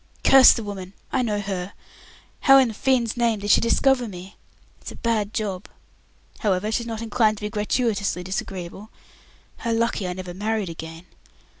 Curse the woman! I know her! How in the fiend's name did she discover me? It's a bad job. However, she's not inclined to be gratuitiously disagreeable. How lucky I never married again!